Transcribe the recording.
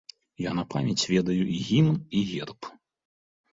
Я на памяць ведаю і гімн, і герб.